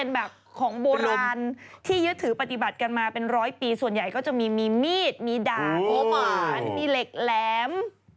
โบราณที่ยื้อถือปฏิบัติกันมาเป็นร้อยปีส่วนใหญ่ก็จะมีมีดมีด่านมีเหล็กแหลม